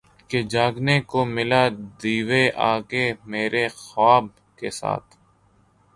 کہ جاگنے کو ملا دیوے آکے میرے خواب کیساتھ